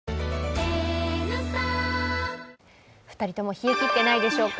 ２人とも冷え切っていないでしょうか。